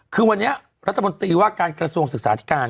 คือวันนี้รัฐมนตรีว่าการกระทรวงศึกษาธิการ